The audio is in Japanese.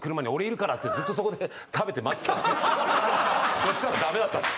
そしたらダメだったんです。